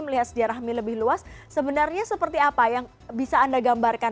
melihat sejarah mie lebih luas sebenarnya seperti apa yang bisa anda gambarkan